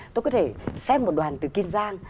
tôi có thể xem một đoàn từ kiên giang